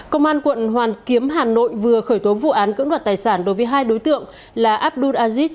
công an quận hoàn kiếm hà nội vừa khởi tố vụ án cưỡng đoạt tài sản đối với hai đối tượng là abdul aziz